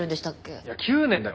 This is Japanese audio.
いや９年だよ！